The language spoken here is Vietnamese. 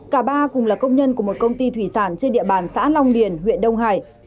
cả ba cùng là công nhân của một công ty thủy sản trên địa bàn xã long điền huyện đông hải